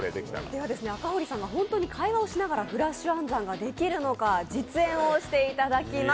では赤堀さんが本当に会話をしながらフラッシュ暗算ができるのか実演をしていただきます。